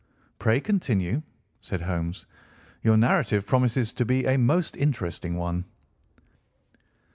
"Pray continue," said Holmes. "Your narrative promises to be a most interesting one."